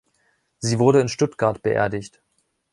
Sie wurde in Stuttgart beerdigt.